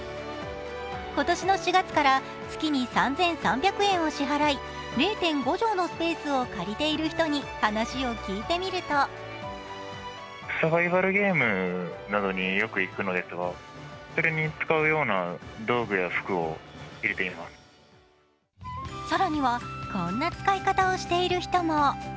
今年の４月から月に３３００円を支払い０．５畳のスペースを借りている人に話を聞いてみると更にはこんな使い方をしている人も。